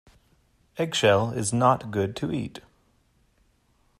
Eggshell is not good to eat.